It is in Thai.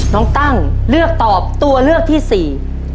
น้องตั้งเลือกตอบตัวเลือกที่๔๑๘